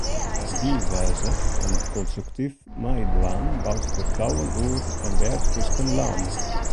Derby wêze, en konstruktyf meidwaan, bouwt fertrouwen oer en wer tusken lannen.